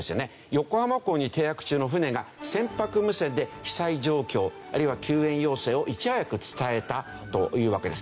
横浜港に停泊中の船が船舶無線で被災状況あるいは救援要請をいち早く伝えたというわけです。